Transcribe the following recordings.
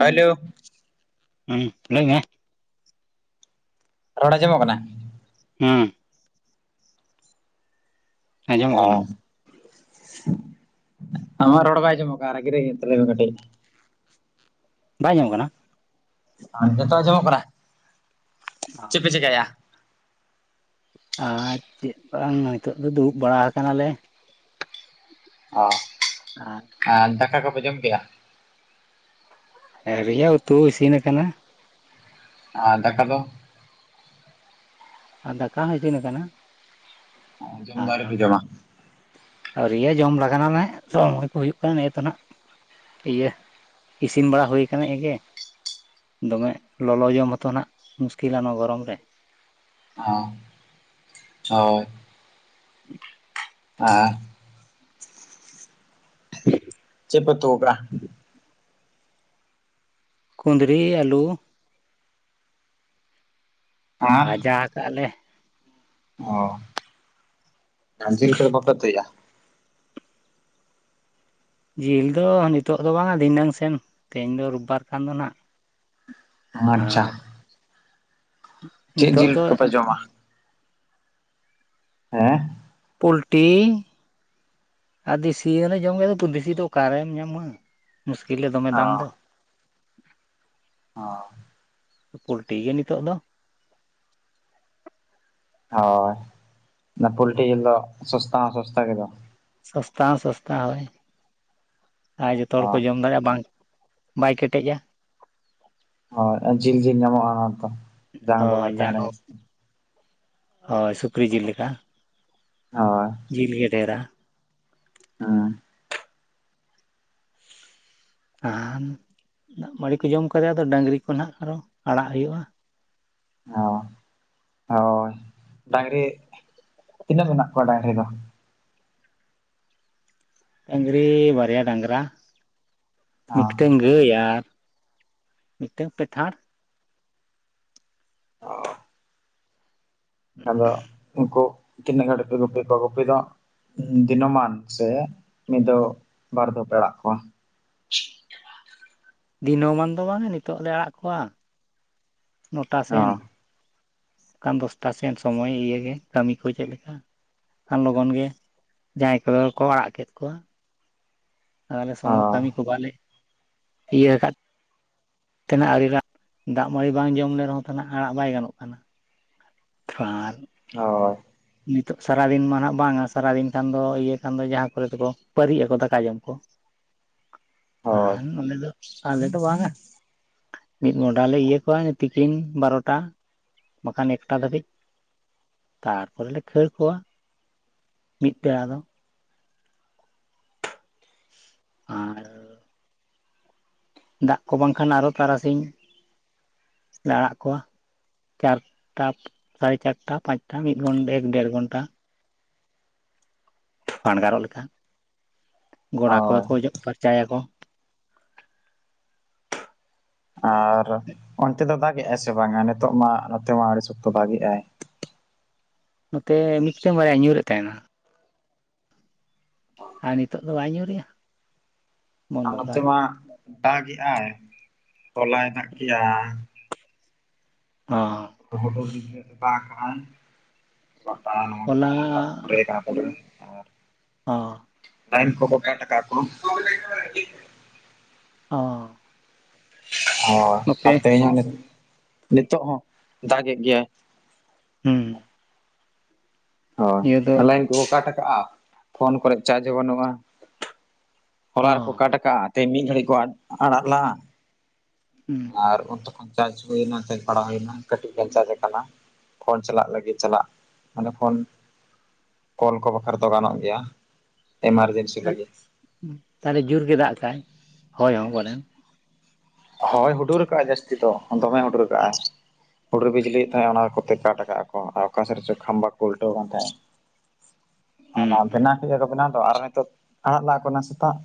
Hello ᱦᱮᱸ ᱞᱟᱹᱭ ᱢᱮ ᱾ ᱨᱚᱲ ᱟᱸᱚᱢᱚᱜ ᱠᱟᱱᱟ? ᱦᱩᱸ ᱾ ᱟᱸᱡᱚᱢᱚᱜ ᱚ ᱠᱟᱱᱟ ᱾ ᱟᱢᱟᱜ ᱨᱚᱲ ᱵᱟᱭ ᱡᱚᱢᱚᱜ ᱠᱟᱱᱟ ᱾ ᱨᱟᱜᱤ ᱨᱟᱜᱤ ᱛᱚᱵᱮ ᱠᱟᱹᱴᱤᱡ ᱵᱟᱭ ᱟᱡᱸᱚᱢᱚᱜ ᱠᱟᱱᱟ ᱾ ᱟᱨ ᱱᱤᱛᱚᱜ ᱫᱚ ᱟᱸᱡᱚᱢᱚᱜ ᱠᱟᱱᱟ ᱾ [inaudible] ᱟᱨ ᱪᱮᱫ ᱵᱟᱝ ᱱᱤᱛᱚᱜ ᱫᱚ ᱫᱩᱲᱩᱵ ᱵᱟᱲᱟ ᱟᱠᱟᱱᱟᱞᱮ ᱾ ᱚ, ᱟᱨ ᱫᱟᱠᱟ ᱠᱚᱯᱮ ᱡᱚᱢ ᱠᱮᱜᱼᱟ ᱾ ᱟᱹᱣᱨᱤᱭᱼᱟ ᱩᱛᱩ ᱤᱥᱤᱱ ᱟᱠᱟᱱᱟ ᱾ ᱟᱨ ᱫᱠᱟ ᱫᱚ? ᱟᱨ ᱫᱟᱠᱟ ᱦᱚᱸᱤᱥᱤᱱ ᱟᱠᱟᱱᱟ ᱾ ᱡᱚᱢ ᱫᱚ ᱟᱹᱣᱨᱤ ᱯᱮ ᱡᱚᱢᱟ? ᱟᱹᱨᱤᱭᱟᱹ ᱡᱚᱢ ᱞᱟᱜ ᱱᱟᱞᱮ ᱥᱚᱢᱚᱭ ᱠᱚ ᱦᱩᱭᱩᱜ ᱠᱟᱱᱟ ᱱᱤᱭᱟᱹ ᱫᱚ ᱦᱟᱸᱜ ᱾ ᱤᱭᱟᱹ ᱤᱥᱤᱱ ᱵᱟᱲᱟ ᱦᱩᱭ ᱟᱠᱟᱱᱟ ᱮ ᱜᱮ? ᱫᱚᱢᱮ ᱞᱚᱞᱚ ᱡᱚᱢ ᱦᱚᱸᱛᱚ ᱱᱟᱦᱜ ᱢᱩᱥᱠᱤᱞᱟ ᱱᱚᱣᱟ ᱜᱚᱨᱚᱢ ᱨᱮ ᱾ ᱚᱸ ᱾ ᱦᱳᱭ ᱾ ᱦ ᱦᱮᱸ ᱪᱮᱫ ᱯᱮ ᱩᱛᱩ ᱟᱠᱟᱜᱼᱟ? ᱠᱩᱫᱽᱨᱤ, ᱟᱞᱩ ᱦᱮᱸ ᱵᱷᱟᱡᱟ ᱟᱠᱟᱫ ᱞᱮ ᱾ ᱚ, ᱟᱨ ᱡᱤᱞ ᱠᱚᱫᱚ ᱵᱟᱯᱮ ᱩᱛᱩᱭ ᱫᱟ? ᱡᱤᱞ ᱫᱚ ᱱᱤᱛᱚᱜ ᱫᱚ ᱵᱟᱝᱟ ᱫᱷᱤᱱᱟᱹᱝ ᱥᱮᱱ, ᱛᱮᱦᱮᱧ ᱫᱚ ᱨᱳᱵᱵᱟᱨ ᱠᱟᱱᱟ ᱫᱚ ᱱᱟᱦᱜ ᱾ ᱟᱪᱪᱷᱟ ᱾ ᱪᱮᱫ ᱱᱤᱛᱚᱜ ᱡᱤᱞ ᱫᱚ ᱠᱚᱯᱮ ᱡᱚᱢᱟ? ᱦᱮᱸ ᱾ ᱯᱳᱞᱴᱤ ᱟᱨ ᱫᱮᱥᱤ ᱦᱚᱞᱮ ᱡᱚᱢ ᱜᱮᱭᱟ, ᱫᱮᱥᱤ ᱫᱚ ᱚᱠᱟᱨᱮᱢ ᱧᱟᱢᱟ? ᱢᱩᱥᱠᱤᱞ ᱨᱮ ᱫᱚᱢᱮ ᱚ ᱫᱟᱢ ᱫᱚ ᱾ ᱦᱚᱸ ᱯᱳᱞᱴᱤ ᱜᱮ ᱱᱤᱛᱚᱜ ᱫᱚ ᱾ ᱦᱳᱭ ᱾ ᱚᱱᱟ ᱯᱳᱞᱴᱤ ᱡᱤᱞ ᱫᱚ ᱥᱚᱥᱛᱟ ᱦᱚᱸ ᱥᱚᱥᱛᱟ ᱜᱮ ᱫᱚ ᱾ ᱥᱚᱥᱛᱟ ᱦᱚᱸ ᱥᱚᱥᱛᱟ ᱦᱳᱭ ᱾ ᱟᱨ ᱡᱚᱛᱚ ᱦᱚᱲ ᱚ ᱠᱚ ᱡᱚᱢ ᱫᱟᱲᱮᱭᱟᱜᱼᱟ ᱵᱟᱝ ᱾ ᱵᱟᱭ ᱠᱮᱴᱮᱡᱟ ᱾ ᱦᱳᱭ, ᱡᱤᱞ ᱡᱤᱞ ᱧᱟᱢᱚᱜᱼᱟ ᱚᱱᱟ ᱫᱚ ᱾ ᱦᱳᱭ ᱡᱟᱭᱦᱳᱠ ᱦᱳᱭ ᱥᱩᱠᱨᱤ ᱡᱤᱞ ᱞᱮᱠᱟ ᱾ ᱦᱳᱭ ᱾ ᱡᱤᱞ ᱜᱮ ᱰᱷᱮᱨᱟ ᱾ ᱦᱮᱸ ᱟᱨ ᱫᱟᱜ ᱢᱟᱹᱲᱤ ᱠᱚ ᱡᱚᱢ ᱠᱟᱛᱮ ᱟᱫᱚ ᱰᱟᱝᱨᱤ ᱠᱚ ᱱᱟᱦᱟᱜ ᱟᱨᱚ ᱟᱲᱟᱜ ᱦᱩᱭᱩᱜᱼᱟ ᱦᱳᱭ ᱦᱳᱭ ᱾ ᱰᱟᱹᱝᱨᱤ, ᱛᱤᱱᱟᱹᱜ ᱢᱮᱱᱟᱜ ᱠᱚᱣᱟ ᱰᱟᱹᱝᱨᱤ ᱫᱚ? ᱰᱟᱹᱝᱨᱤ ᱵᱟᱨᱭᱟ ᱰᱟᱝᱨᱟ ᱚ ᱢᱤᱜᱴᱟ. ᱝ ᱜᱟᱹᱭ ᱟᱨ ᱢᱤᱜᱴᱝ ᱯᱮᱴᱷᱟᱲ ᱚ ᱟᱫᱚ ᱩᱱᱠᱩ ᱛᱤᱱᱟᱹᱜ ᱜᱟᱲᱤᱡ ᱯᱮ ᱜᱩᱯᱤ ᱠᱚᱣᱟ ᱜᱩᱯᱤ ᱫᱚ ᱫᱤᱱᱟᱹᱢᱟᱱ ᱥᱮ ᱢᱤᱫ ᱫᱷᱟᱹᱣ ᱵᱟᱨ ᱫᱷᱟᱹᱣ ᱯᱮ ᱟᱲᱟᱜ ᱠᱚᱣᱟ ᱫᱤᱱᱟᱹᱢᱟᱱ ᱫᱚ ᱵᱟᱝᱟ ᱱᱤᱛᱚᱜ ᱞᱮ ᱟᱲᱟᱜ ᱠᱚᱣᱟ ᱱᱚᱴᱟ ᱚ ᱥᱮᱱ ᱚᱱᱠᱟᱱ ᱫᱚᱥᱴᱟ ᱥᱮᱱ ᱥᱚᱢᱚᱭ ᱤᱭᱮ ᱜᱮ ᱠᱟᱹᱢᱤ ᱠᱚ ᱪᱮᱫ ᱞᱮᱠᱟ ᱟᱱ ᱞᱚᱜᱚᱱ ᱜᱮ ᱡᱟᱦᱟᱭ ᱠᱚᱫᱚ ᱠᱚ ᱟᱲᱟᱜ ᱠᱮᱫ ᱠᱚᱣᱟ ᱟᱞᱮ ᱚ ᱥᱚᱢᱚᱡ ᱠᱟᱹᱢᱤ ᱠᱚ ᱵᱟᱞᱮ ᱤᱭᱟᱹ ᱟᱠᱟᱫ ᱛᱮᱱᱟᱜ ᱟᱜᱮ ᱫᱟᱜ ᱢᱟᱹᱲᱤ ᱵᱟᱝ ᱡᱚᱢ ᱞᱮᱱ ᱨᱮᱦᱚᱸ ᱛᱟᱦᱮᱱᱟᱜ ᱟᱲᱟᱜ ᱵᱟᱭ ᱜᱟᱱᱚᱜ ᱠᱟᱱᱟ ᱾ ᱟᱱ ᱦᱳᱭ ᱾ ᱱᱤᱛᱚᱜ ᱥᱟᱨᱟᱫᱤᱱ ᱢᱟ ᱱᱟᱜ ᱵᱟᱝᱟ, ᱥᱟᱨᱟᱫᱤᱱ ᱠᱷᱟᱱ ᱫᱚ ᱤᱭᱟᱹ ᱠᱷᱟᱱ ᱫᱚ ᱡᱟᱦᱟᱸ ᱠᱚᱨᱮ ᱫᱚᱠᱚ ᱯᱟᱹᱨᱤᱜ ᱟᱠᱚ ᱫᱟᱠᱟ ᱡᱚᱢ ᱠᱚ ᱾ ᱟᱨ ᱦᱳᱭ ᱱᱟᱰᱮᱫᱚ, ᱟᱞᱮᱫᱚ ᱵᱟᱝᱟ ᱢᱤᱫ ᱢᱚᱦᱰᱟ ᱞᱮ ᱤᱭᱟᱹ ᱠᱚᱣᱟ ᱛᱤᱠᱤᱱ ᱵᱟᱨᱚᱴᱟ ᱵᱟᱠᱷᱟᱱ ᱮᱠᱴᱟ ᱫᱷᱟᱹᱵᱤᱡ ᱛᱟᱨ ᱯᱚᱨᱮᱞᱮ ᱠᱷᱟᱹᱲ ᱠᱚᱣᱟ ᱢᱤᱛᱛᱮ ᱟᱫᱚ ᱟᱨ ᱫᱟᱜ ᱠᱚ ᱵᱟᱝᱠᱷᱟᱱ ᱟᱨᱚ ᱛᱟᱨᱟᱥᱤᱧ ᱞᱮ ᱟᱲᱟᱜ ᱠᱚᱣᱟ ᱪᱟᱨᱴᱟ ᱥᱟᱲᱮ ᱪᱟᱨᱴᱟ ᱯᱟᱪᱴᱟ ᱢᱤᱫ ᱜᱷᱚᱱᱴᱟ ᱮᱠᱰᱮᱲ ᱜᱷᱚᱱᱴᱟ ᱯᱷᱟᱸᱰᱽᱜᱟᱨᱚᱜ ᱞᱮᱠᱟ ᱾ ᱜᱚᱲᱟ ᱠᱚᱨᱮ ᱦᱳᱭ ᱠᱚ ᱡᱚᱜ ᱯᱷᱟᱨᱪᱟᱭᱟᱠᱚ ᱟᱨ ᱚᱱᱛᱮ ᱫᱚ ᱫᱟᱜᱮᱫᱟᱭ ᱥᱮ ᱵᱟᱝᱟ ᱱᱤᱛᱚᱜ ᱢᱟ ᱱᱚᱛᱮ ᱢᱟ ᱟᱹᱰᱤ ᱥᱚᱠᱛᱚ ᱫᱟᱜᱮᱜ-ᱟᱭ ᱱᱚᱛᱮ ᱢᱤᱫᱴᱮᱱ ᱵᱟᱨᱭᱟᱭ ᱧᱩᱨᱮᱫ ᱛᱟᱦᱮᱱᱟ ᱟᱨ ᱱᱤᱛᱚᱜ ᱫᱚ ᱵᱟᱭ ᱧᱩᱨᱮᱜᱼᱟ ᱾ ᱟᱨ ᱱᱚᱛᱮ ᱢᱟ ᱫᱟᱜᱮᱫᱟᱭ ᱦᱚᱞᱟᱭ ᱫᱟᱜ ᱠᱮᱜᱼᱟ ᱚᱻ ᱦᱩᱰᱩᱨ ᱵᱤᱢᱞᱤ ᱫᱚ ᱫᱟᱜᱟᱜ ᱟᱭ ᱯᱟᱛᱟ ᱱᱚᱣᱟ ᱠᱚᱨᱮ ᱦᱚᱞᱟ ᱫᱟᱜ ᱠᱚ ᱯᱮᱨᱮᱡ ᱠᱟᱱᱟ ᱛᱟᱞᱮᱭᱟ ᱟᱨ ᱚᱻ ᱛᱟᱦᱮᱱ ᱠᱚᱠᱚ ᱵᱮᱴ ᱠᱚᱜᱼᱟ ᱠᱚ ᱚᱻ ᱦᱚᱭ ᱟᱨ ᱛᱮᱦᱮᱧ ᱦᱚ ᱱᱤᱛᱚᱜ ᱦᱚ ᱫᱟᱜᱮᱫ ᱜᱮᱭᱟᱭ ᱦᱩᱸ ᱦᱩᱸ ᱦᱚᱭ ᱫᱚ ᱟᱨ ᱞᱟᱭᱤᱱ ᱠᱚᱠᱚ ᱠᱟᱴ ᱠᱟᱜᱼᱟ ᱾ ᱯᱷᱳᱱ ᱠᱚᱨᱮ ᱪᱟᱨᱡᱽ ᱦᱚ ᱵᱟᱹᱱᱩᱜᱼᱟ᱾ ᱚ ᱦᱚᱞᱟ ᱨᱮᱠᱚ ᱠᱟᱴ ᱠᱟᱜᱼᱟ ᱛᱮᱦᱮᱧ ᱢᱤᱫ ᱜᱷᱟᱹᱲᱤ ᱠᱚ ᱟᱲᱟᱜ ᱞᱟᱜᱼᱟ, ᱦᱩᱸ ᱟᱨ ᱪᱟᱨᱡᱽ ᱦᱩᱭᱱᱟ ᱪᱟᱨᱡᱽ ᱵᱟᱲᱟ ᱦᱩᱭᱱᱟ ᱠᱟᱹᱴᱤᱡ ᱜᱟᱱ ᱪᱟᱨᱡᱽ ᱠᱟᱱᱟ ᱯᱷᱳᱱ ᱪᱟᱞᱟᱜ ᱞᱟᱹᱜᱤᱫ ᱪᱟᱞᱟᱜ ᱾ᱢᱟᱱᱮ ᱯᱷᱳᱱ ᱠᱚᱞ ᱠᱚ ᱵᱟᱠᱷᱟᱨᱟ ᱫᱚ ᱜᱟᱱᱚᱜ ᱜᱮᱭᱟ ᱮᱢᱟᱨᱡᱮᱱ ᱛᱟᱦᱚᱞᱮ ᱡᱩᱨ ᱜᱮ ᱫᱟᱜ ᱠᱟᱜᱟᱭ? ᱦᱳᱭ ᱦᱚ ᱯᱟᱞᱮᱱ ᱦᱳᱭ ᱦᱩᱰᱩᱨ ᱠᱟᱜ ᱟᱭ ᱡᱟᱥᱼ ᱡᱟᱥᱛᱤ ᱫᱚ ᱫᱚᱢᱮ ᱦᱩᱰᱩᱨ ᱠᱟᱜᱼᱟᱭ, ᱦᱩᱰᱩᱨ ᱵᱤᱡᱽᱞᱤᱭᱮ ᱛᱟᱦᱮᱸᱫ ᱚᱱᱟ ᱠᱚᱛᱮ ᱠᱟᱴ ᱠᱟᱜᱼᱟ ᱠᱚ ᱚᱠᱟ ᱥᱮᱫ ᱨᱮᱪᱚ ᱠᱷᱟᱢᱵᱟ ᱠᱚ ᱩᱞᱴᱟᱹᱣ ᱠᱟᱱ ᱛᱟᱦᱮᱸᱫ ᱚᱱᱟ ᱦᱩᱸ ᱦᱩᱸ ᱵᱮᱱᱟᱣ ᱠᱮᱫ ᱠᱚ ᱵᱮᱱᱟᱣ ᱫᱚ ᱟᱨ ᱱᱤᱛᱚᱜ ᱟᱲᱟᱜ ᱞᱟᱜ ᱟᱠᱚ ᱮᱱᱟᱝ ᱥᱮᱛᱟᱜ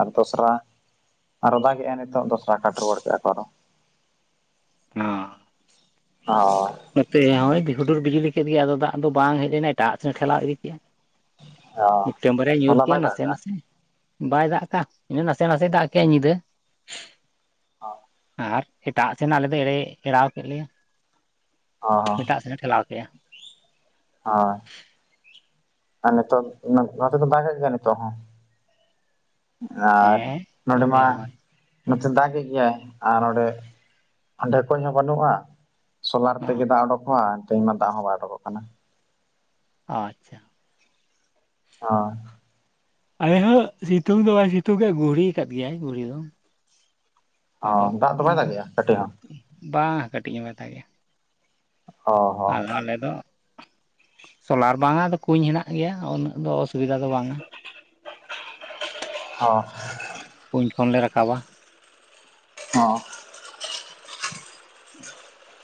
ᱟᱨ ᱫᱚᱥᱨᱟ ᱟᱨᱚ ᱫᱟᱜᱮᱜᱟᱭ ᱱᱤᱛᱚᱜ ᱫᱚᱥᱼ ᱟ ᱠᱟᱴ ᱨᱩᱣᱟᱹᱲ ᱠᱮᱼᱟᱠᱚ ᱟᱨᱚ ᱚᱻ ᱦᱚᱭ ᱱᱚᱛᱮ ᱦᱚᱭ ᱦᱩᱰᱩᱨ ᱵᱤᱡᱽᱞᱤ ᱠᱮᱫ ᱜᱮᱭᱟ ᱟᱫᱚ ᱫᱟᱜ ᱫᱚ ᱵᱟᱝ ᱦᱮᱡ ᱞᱮᱱᱟ ᱮᱴᱟᱜ ᱥᱮᱱ ᱴᱷᱮᱞᱟᱣ ᱤᱫᱤ ᱠᱮᱫᱼᱟ ᱦᱳᱭ ᱢᱤᱫᱴᱟᱝ ᱵᱟᱨᱭᱟ ᱧᱩᱨ ᱦᱚᱞᱟ ᱠᱮᱼᱟ ᱵᱟᱭ ᱫᱟᱜ ᱱᱟᱥᱮ ᱠᱟᱜᱼᱟ ᱱᱟᱥᱮ ᱵᱟᱭ ᱫᱟᱜ ᱠᱟᱜᱼᱟ ᱤᱱᱟᱹ ᱱᱟᱥᱮ ᱱᱟᱥᱮᱭ ᱫᱟᱜ ᱠᱮᱜ-ᱟᱭ ᱧᱤᱫᱟᱹ ᱦᱚᱸ ᱟᱨ ᱮᱴᱟᱜ ᱥᱮᱱᱟᱜ ᱟᱞᱮ ᱫᱚ ᱮᱲᱮ ᱮᱲᱟᱣ ᱠᱮᱫ ᱞᱮᱭᱟ ᱚᱻ ᱮᱴᱟᱜ ᱥᱮᱱᱮ ᱴᱷᱮᱞᱟᱣ ᱠᱮᱜᱼᱟ ᱦᱳᱭ ᱟᱨ ᱱᱤᱛᱚᱜ ᱱᱚᱛᱮ ᱫᱚ ᱵᱟᱭ ᱦᱮᱡ ᱟᱠᱟᱱᱟ ᱱᱤᱛᱚᱜ ᱦᱚᱸ ᱟᱨ ᱦᱮᱸ ᱱᱚᱸᱰᱮ ᱱᱚᱛᱮ ᱢᱟ ᱦᱚᱸᱭ ᱱᱚᱛᱮ ᱫᱟᱜᱮᱜ ᱜᱮᱭᱟᱭ ᱟᱨ ᱚᱸᱰᱮ ᱠᱩᱸᱡ ᱦᱚᱸ ᱵᱟᱹᱱᱩᱜᱼᱟ ᱥᱳᱞᱟᱨ ᱛᱮᱜᱮ ᱫᱟᱜ ᱚᱰᱳᱠᱚᱜᱼᱟ ᱛᱮᱦᱮᱧ ᱢᱟ ᱫᱟᱜ ᱦᱚᱸ ᱵᱟᱭ ᱚᱰᱳᱠᱚᱜ ᱠᱟᱱᱟ ᱟᱪᱪᱷᱟ ᱦᱚᱭ ᱟᱞᱮ ᱦᱚ ᱥᱤᱛᱩᱝ ᱫᱚ ᱵᱟᱭ ᱥᱤᱛᱩᱝ ᱮᱟ ᱜᱩᱦᱨᱤ ᱠᱟᱫ ᱜᱮᱭᱟᱭ ᱜᱩᱦᱨᱤ ᱫᱚ ᱟᱫᱚ ᱚᱸ ᱫᱟᱜ ᱫᱚ ᱤᱧ ᱵᱟᱭ ᱫᱟᱜᱮᱜᱼᱟ ᱠᱟᱹᱴᱤᱡ ᱦᱚᱸ ᱵᱟᱝ ᱠᱟᱹᱴᱤᱡ ᱦᱚᱸ ᱵᱟᱭ ᱫᱟᱜᱮᱜ-ᱟ᱾ ᱚ ᱦᱚᱸ ᱟᱫᱚ ᱟᱞᱮ ᱫᱚ ᱥᱳᱞᱟᱨ ᱵᱟᱝᱟ ᱟᱫᱚ ᱠᱩᱧ ᱦᱮᱱᱟᱜ ᱜᱮᱭᱟ ᱩᱱᱟᱹᱜ ᱫᱚ ᱟᱥᱩᱵᱤᱫᱟ ᱫᱚ ᱵᱟᱝᱟ [unintelligible] ᱦᱚ ᱠᱩᱧ ᱠᱷᱚᱱᱞᱮ ᱨᱟᱠᱟᱵᱟ ᱦᱚᱸ [unintelligible]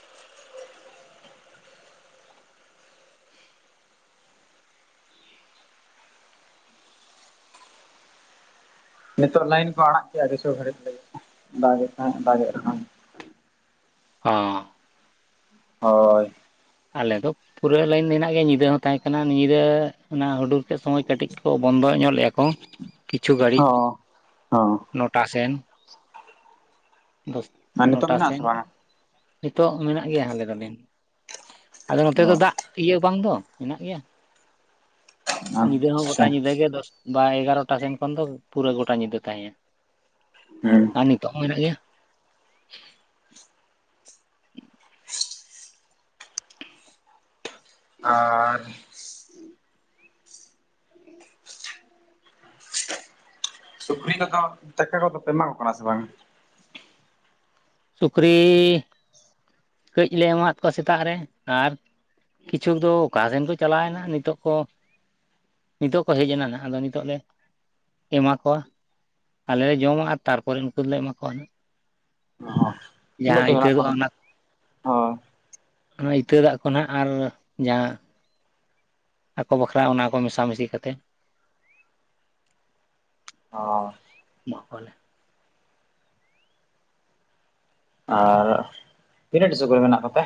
ᱱᱤᱛᱚᱜ ᱞᱟᱭᱤᱱ ᱠᱚ ᱟᱲᱟᱜ ᱠᱮᱜ-ᱟ ᱠᱤᱪᱷᱩ ᱜᱷᱟᱹᱲᱤᱡ ᱞᱟᱹᱜᱤᱫ ᱫᱟᱜ ᱫᱟᱜᱮᱫ ᱨᱮᱦᱚᱸᱭ ᱚᱸᱻ ᱦᱳᱻ ᱟᱞᱮᱫ ᱫᱚ ᱯᱩᱨᱟᱹ ᱞᱟᱹᱭᱤᱱ ᱦᱮᱱᱟᱜ ᱜᱮᱭᱟ ᱧᱤᱫᱟᱹ ᱦᱚᱸ ᱛᱟᱦᱮᱸ ᱠᱟᱱᱟ ᱧᱤᱫᱟᱹ ᱚᱱᱟ ᱦᱩᱰᱩᱨ ᱠᱮᱫ ᱥᱚᱢᱚᱭ ᱠᱟᱹᱴᱤᱡ ᱠᱚ ᱵᱚᱱᱫᱚ ᱧᱚᱜ ᱞᱮᱜᱼᱟ ᱠᱚ ᱠᱚ ᱠᱤᱪᱷᱩ ᱜᱷᱟᱹᱲᱤᱡ ᱚ ᱚ ᱱᱚᱴᱟ ᱥᱮᱱ᱾ ᱫᱚᱥ ᱟᱨ ᱱᱤᱛᱚᱜ ᱱᱚᱴᱟ ᱢᱮᱱᱟᱜ ᱥᱮᱱ ᱟᱥᱮ ᱵᱟᱝᱟ ᱱᱤᱛᱚᱜ ᱢᱮᱱᱟᱜ ᱜᱮᱭᱟ ᱟᱞᱮ ᱫᱚ ᱞᱟᱤᱱ ᱟᱞᱮ ᱱᱚᱛᱮ ᱚ ᱫᱚ ᱫᱟᱜ ᱤᱭᱟᱹ ᱵᱟᱝ ᱫᱚ ᱦᱮᱱᱟᱜ ᱜᱮᱭᱟ ᱧᱤᱫᱟᱹ ᱦᱚᱸ ᱜᱚᱴᱟ ᱟᱪᱪᱷᱟ ᱧᱤᱫᱟᱹ ᱜᱮ ᱫᱚᱥ ᱵᱟ ᱮᱜᱟᱨᱚᱴᱟ ᱥᱮᱱ ᱠᱷᱚᱱ ᱫᱚ ᱯᱩᱨᱟᱹ ᱜᱚᱴᱟ ᱧᱤᱫᱟᱹ ᱛᱟᱦᱮᱸᱭᱱᱟ ᱾ ᱦᱩᱸ ᱟᱨ ᱱᱤᱛᱚᱜ ᱦᱚᱸ ᱦᱮᱱᱟᱜ ᱜᱮᱭᱟ᱾ [unintelligible] ᱟᱨ ᱥᱩᱠᱨᱤ ᱠᱚᱫᱚ ᱫᱟᱠᱟ ᱠᱚᱫᱚ ᱯᱮ ᱮᱢᱟ ᱠᱚ ᱠᱟᱱᱟ ᱥᱮ ᱵᱟᱝ ᱥᱩᱠᱨᱤ ᱠᱟᱹᱡ ᱞᱮ ᱮᱢᱟᱫ ᱠᱚᱣᱟ ᱥᱮᱛᱟᱜ ᱨᱮ ᱟᱨ ᱠᱤᱪᱷᱩ ᱫᱚ ᱚᱠᱟ ᱥᱮᱱ ᱠᱚ ᱪᱟᱞᱟᱣᱮᱱᱟ ᱱᱤᱛᱚᱜ ᱠᱚ ᱱᱤᱛᱚᱜ ᱠᱚ ᱦᱮᱡ ᱮᱱᱟ ᱱᱟᱜ ᱟᱫᱚ ᱱᱤᱛᱚᱜ ᱞᱮ ᱮᱢᱟ ᱠᱚᱣᱟ ᱟᱞᱮᱞ ᱞᱮ ᱡᱚᱢᱟᱜ-ᱟ ᱛᱟᱨᱯᱚᱨᱮ ᱱᱩᱠᱩ ᱫᱚᱞᱮ ᱮᱢᱟ ᱠᱚᱣᱟ ᱦᱟᱜ ᱚ ᱛᱤᱱᱟᱹᱜ ᱡᱟᱦᱟᱸ ᱴᱤ ᱢᱮᱱᱟᱜ ᱤᱛᱟᱹᱫᱚᱜ ᱠᱚᱣᱟ ᱦᱳᱭ ᱚᱱᱟ---ᱚᱱᱟ ᱤᱛᱟᱹ ᱫᱟᱜ ᱠᱚ ᱱᱟᱦᱟᱜ ᱟᱨ ᱡᱟᱦᱟᱸ ᱟᱠᱚ ᱵᱟᱠᱷᱨᱟ ᱚᱱᱟ ᱠᱚ ᱢᱮᱥᱟ ᱢᱤᱥᱤ ᱠᱟᱛᱮ ᱚᱻ ᱢᱟᱜ ᱠᱚᱣᱟᱞᱮ᱾ ᱟᱨ ᱛᱤᱱᱟᱹᱜ ᱴᱤ ᱥᱩᱠᱨᱤ ᱢᱮᱱᱟᱜ ᱠᱚᱛᱮ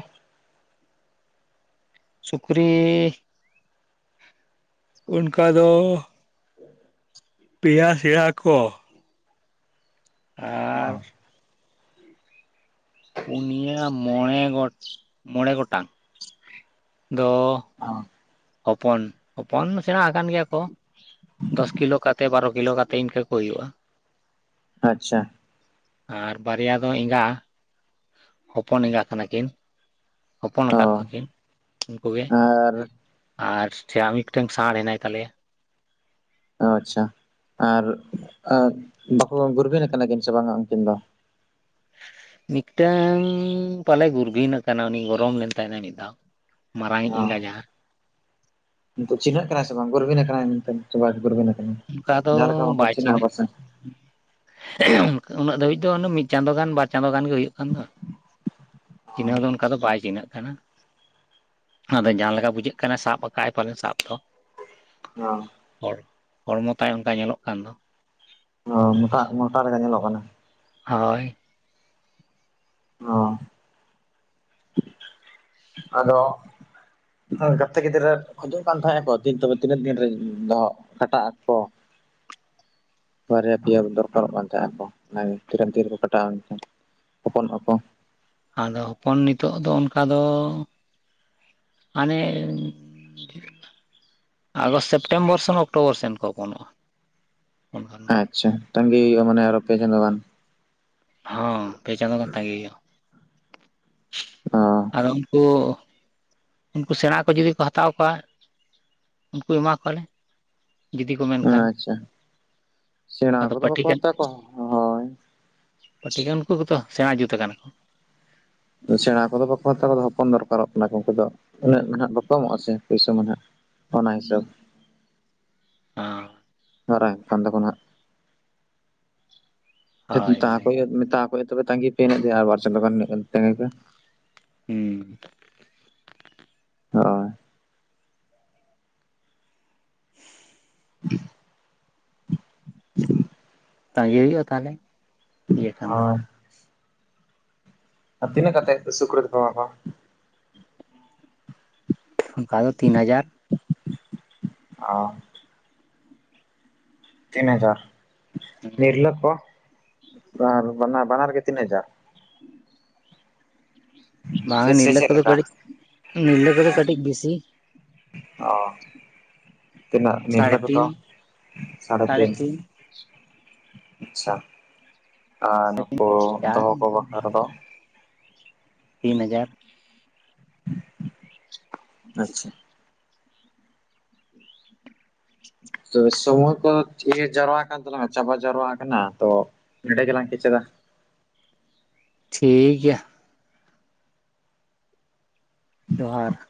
ᱥᱩᱠᱨᱤ ᱚᱱᱠᱟ ᱫᱚ ᱯᱮᱭᱟ ᱥᱮᱭᱟ ᱟᱠᱚ ᱚ ᱟᱨᱻ ᱯᱩᱱᱭᱟ ᱢᱚᱬᱮ ᱜᱚᱴ ᱢᱚᱬᱮ ᱜᱚᱴᱟᱝ---ᱫᱚ ᱚ ᱦᱚᱯᱚᱱ ᱦᱚᱯᱚᱱ ᱥᱮᱬᱟ ᱟᱠᱟᱱ ᱜᱮᱭᱟ ᱠᱚ᱾ ᱫᱚᱥ ᱠᱤᱞᱳ ᱠᱟᱛᱮ ᱵᱟᱨᱚ ᱠᱤᱞᱳ ᱠᱟᱛᱮ ᱤᱱᱠᱟᱹ ᱠᱚ ᱦᱩᱭᱩᱜᱼᱟ ᱟᱪᱪᱷᱟ ᱟᱨ ᱵᱟᱨᱭᱟ ᱫᱚ ᱮᱸᱜᱟ ᱦᱚᱯᱚᱱ ᱮᱸᱜᱟ ᱠᱟᱱᱟ ᱠᱤᱱ ᱦᱚᱯᱚᱱ ᱚ ᱟᱠᱟᱫ ᱠᱚᱣᱟ ᱠᱤᱱ ᱟᱨ ᱟᱨ ᱥᱮ ᱟᱢᱤᱫᱴᱟᱝ ᱥᱟᱬ ᱦᱮᱱᱟᱭ ᱛᱟᱞᱮᱭᱟ᱾ ᱟᱪᱪᱷᱟ ᱟᱨ ᱵᱟᱠᱚ ᱜᱩᱨᱵᱷᱤᱱ ᱟᱠᱟᱱᱟ ᱠᱤᱱ ᱥᱮ ᱵᱟᱝᱟ ᱩᱱᱠᱤᱱ ᱫᱚ? ᱢᱤᱫᱴᱟᱝ ᱯᱟᱞᱮ ᱜᱩᱨᱵᱷᱤᱱᱚᱜ ᱠᱟᱱᱟ ᱩᱱᱤ ᱜᱚᱨᱚᱢ ᱞᱮᱱ ᱛᱟᱭᱱᱟ ᱢᱤᱫ ᱫᱷᱟᱣ ᱢᱟᱨᱟᱝᱤᱡ ᱮᱸᱜᱟᱡᱟ ᱪᱤᱱᱦᱹᱟᱹᱜ ᱠᱟᱱᱟᱭ ᱥᱮ ᱵᱟᱝ ᱜᱩᱨᱵᱤᱱ ᱟᱠᱟᱱᱟᱭ ᱢᱮᱱᱛᱮ ᱜᱩᱨᱵᱤᱱ ᱟᱠᱟᱱᱟᱭ ᱚᱱᱠᱟ ᱫᱚ ᱡᱟᱦᱟᱸ ᱵᱟᱭ ᱞᱮᱠᱟ ᱪᱤᱱᱦᱟᱹ ᱟᱠᱚ ᱥᱮ ᱩᱱᱟᱹᱜ ᱫᱷᱟᱹᱵᱤᱡ ᱫᱚ ᱢᱤᱫ ᱪᱟᱸᱫᱳ ᱜᱟᱱ ᱵᱟ ᱪᱟᱸᱫᱳ ᱜᱟᱱ ᱜᱮ ᱦᱩᱭᱩᱜ ᱠᱟᱱ ᱫᱚ ᱪᱤᱱᱦᱟᱹᱣ ᱫᱚ ᱚᱱᱠᱟ ᱫᱚ ᱵᱟᱭ ᱪᱤᱱᱦᱟᱹᱜ ᱠᱟᱱᱟ᱾ ᱟᱫᱚ ᱡᱟᱦᱟᱸᱮ ᱞᱮᱠᱟ ᱵᱩᱡᱷᱟᱹᱜ ᱠᱟᱱᱟᱭ ᱥᱟᱵ ᱟᱠᱟᱫᱟᱭ ᱯᱟᱞᱮᱱ ᱥᱟᱵ ᱫᱚ ᱦᱚ ᱦᱚᱲ ᱦᱚᱲᱢᱚ ᱛᱟᱭ ᱚᱱᱠᱟ ᱧᱮᱞᱚᱜ ᱠᱟᱱ ᱫᱚ ᱚ ᱢᱚᱴᱟ ᱢᱚᱴᱟ ᱨᱮ ᱞᱮᱠᱟ ᱧᱮᱞᱚᱜ ᱠᱟᱱᱟ᱾ ᱦᱳᱭ ᱚ ᱟᱫᱚ ᱜᱟᱛᱮ ᱜᱤᱫᱽᱨᱟᱹ ᱠᱷᱚᱡᱩᱜ ᱠᱟᱱ ᱛᱟᱦᱮᱸᱱᱟ ᱠᱚᱤᱱ ᱛᱚᱵᱮ ᱛᱤᱱᱟᱹᱜ ᱫᱤᱱ ᱨᱮ ᱫᱚᱚᱜ ᱠᱟᱴᱟᱜ ᱟᱠᱚ ᱵᱟᱨᱭᱟ ᱯᱮᱭᱟ ᱫᱚᱨᱠᱟᱨᱚᱜ ᱠᱟᱱ ᱛᱟᱦᱮᱸᱫᱼᱟᱠᱚ ᱚᱱᱟᱜᱮ ᱛᱤᱨᱟᱱ ᱛᱤᱨ ᱨᱮᱠᱚ ᱠᱟᱴᱟᱣᱟ ᱢᱮᱱᱠᱷᱟᱱ ᱦᱚᱯᱚᱱᱚᱜᱼᱟ ᱠᱚ ᱟᱫᱚ ᱦᱚᱯᱚᱱ ᱱᱤᱛᱚᱜ ᱫᱚ ᱚᱱᱠᱟ ᱫᱚ ᱢᱟᱱᱮ ᱟᱫᱚ ᱥᱮᱯᱴᱮᱢᱵᱚᱨ ᱥᱮᱱ ᱚᱠᱴᱳᱵᱚᱨ ᱥᱮᱱ ᱠᱚ ᱦᱚᱯᱚᱱᱚᱜᱼᱟ ᱚᱱᱠᱟᱱ? ᱟᱪᱪᱷᱟ ᱛᱟᱝᱜᱤᱦᱩᱭᱩᱼᱟ ᱢᱟᱱᱮ ᱟᱨᱚ ᱯᱮ ᱪᱟᱸᱫᱚ ᱜᱟᱱ ᱦᱚᱸ ᱯᱮ ᱪᱟᱸᱫᱳ ᱜᱟᱱ ᱛᱟᱝᱜᱤ ᱦᱩᱭᱩᱼᱟ ᱚ ᱟᱫᱚ ᱩᱱᱠᱩ ᱩᱱᱠᱩ ᱥᱮᱬᱟ ᱠᱚ ᱡᱩᱫᱤ ᱠᱚ ᱦᱟᱛᱟᱣ ᱠᱚᱣᱟ ᱩᱱᱠᱩ ᱮᱢᱟ ᱠᱚᱣᱟᱞᱮ ᱡᱩᱫᱤ ᱠᱚ ᱢᱮᱱᱠᱷᱟᱱ ᱟᱪᱪᱷᱟ ᱥᱮᱬᱟ ᱟᱫᱚ ᱠᱚᱫᱚ ᱯᱟᱹᱴᱷᱤ ᱵᱟᱠᱚ ᱠᱟᱱ ᱦᱟᱛᱟᱣ ᱠᱚᱣᱟ ᱦᱳᱭ ᱯᱟᱴᱷᱤᱠᱟᱱ ᱩᱱᱠᱩ ᱠᱚᱫᱚ ᱥᱮᱬᱟ ᱡᱩᱛ ᱟᱠᱟᱱᱟ ᱠᱚ ᱥᱮᱬᱟ ᱠᱚᱫᱚ ᱵᱟᱠᱚ ᱦᱟᱛᱟᱣᱠᱚᱫᱚ ᱦᱚᱯᱚᱱ ᱫᱚᱨᱠᱟᱨᱚᱜ ᱠᱟᱱᱟ ᱠᱚ ᱩᱱᱠᱩ ᱫᱚ ᱩᱱᱟᱹᱜ ᱱᱟᱦᱟᱜ ᱵᱟᱠᱚ ᱮᱢᱚᱜᱼᱟ ᱥᱮ ᱯᱩᱭᱥ ᱢᱟᱱᱮ ᱵᱟ ᱚᱱᱟ ᱦᱤᱥᱟᱹᱵ ᱚᱸ ᱢᱟᱨᱟᱝ ᱠᱟᱱ ᱫᱟᱠᱚ ᱱᱟᱜ ᱦᱳᱭ ᱛᱟ ᱦᱳᱭ ᱠᱚ ᱦᱩᱭᱩᱜ ᱢᱮᱛᱟ ᱠᱚ ᱦᱩᱭᱩᱜ ᱛᱚᱵᱮ ᱛᱟᱸᱜᱤ ᱯᱮ ᱦᱮᱱᱟᱜᱭᱟ ᱟᱨ ᱵᱟᱨ ᱪᱠᱟᱱ ᱛᱟᱸᱜᱤ ᱯᱮ ᱦᱮᱸ ᱦᱳᱭ [inaudible] [inaudible] ᱛᱟᱸᱜᱤ ᱦᱩᱭᱩᱜᱼᱟ ᱛᱟᱦᱚᱞᱮ ᱤᱭᱟᱹ ᱠᱷᱟᱱ ᱫᱚ ᱦᱳᱭ ᱟᱨ ᱛᱤᱱᱟᱹᱜ ᱠᱟᱛᱮ ᱥᱩᱠᱨᱤ ᱫᱚᱯᱮ ᱮᱢᱟᱜ ᱠᱚᱣᱟ ᱚᱱᱠᱟ ᱫᱚ ᱛᱤᱱ ᱦᱟᱡᱟᱨ ᱚᱸ ᱛᱤᱱᱦᱡᱟᱨ ᱱᱤᱨᱞᱟᱹ ᱠᱚ ᱵᱟ ᱵᱟᱱᱟᱨ ᱜᱮ ᱛᱤᱱᱦᱡᱟᱨ ᱵᱟᱝ ᱥᱮ ᱥᱮ ᱱᱤᱨᱞᱟᱹ ᱪᱮᱫ ᱠᱚᱫᱚ ᱞᱮᱠᱟ ᱠᱟᱹᱴᱤᱡ ᱱᱤᱨᱞᱟᱹ ᱠᱚᱫᱚ ᱠᱟᱹᱴᱤᱡ ᱵᱮᱥᱤ ᱚ ᱛᱤᱱᱟᱹᱜ ᱱᱤᱨᱞᱟᱹ ᱥᱟᱲᱮ ᱠᱚᱫᱚ ᱛᱤᱱ ᱥᱟᱲᱦᱮ ᱛᱤᱱ ᱟᱪᱪᱷᱟ ᱟᱨ ᱱᱩᱠᱩ ᱪᱟᱨ ᱫᱚᱦᱚ ᱠᱚ ᱵᱟᱠᱷᱨᱟ ᱫᱚ ᱛᱤᱱ ᱦᱟᱡᱟᱨ ᱟᱪᱪᱷᱟ ᱛᱚ ᱥᱚᱢᱚᱭ ᱠᱚ ᱤᱭᱟᱹ ᱡᱟᱣᱨᱟ ᱟᱠᱟᱱᱟ ᱛᱟᱞᱟᱝᱟ ᱪᱟᱵᱟ ᱡᱟᱣᱨᱟ ᱟᱠᱟᱱᱟ ᱛᱚ ᱱᱚᱰᱮ ᱜᱮᱞᱟᱝ ᱠᱮᱪᱮᱫᱟ᱾ ᱴᱷᱤᱠ ᱜᱮᱭᱟᱹ ᱡᱚᱦᱟᱨ